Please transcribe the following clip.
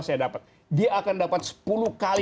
saya dapat dia akan dapat sepuluh kali